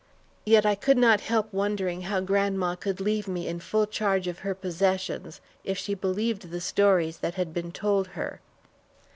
Yet I could not help wondering how grandma could leave me in full charge of her possessions if she believed the stories that had been told her.